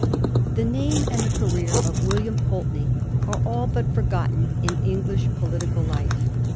The name and the career of William Pulteney are all but forgotten in English political life.